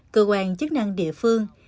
cơ quan chức năng địa phương